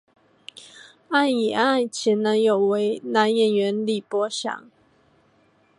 安苡爱前男友为男演员李博翔。